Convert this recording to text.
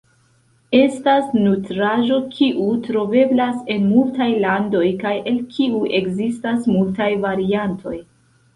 Estas nutraĵo kiu troveblas en multaj landoj, kaj el kiu ekzistas multaj variantoj.